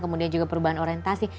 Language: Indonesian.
kemudian juga perubahan orientasi